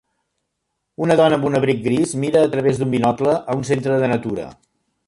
Una dona amb un abric gris mira a través d'un binocle a un centre de natura.